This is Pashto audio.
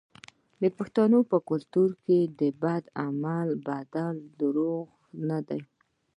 آیا د پښتنو په کلتور کې د بد عمل بدله دوزخ نه دی؟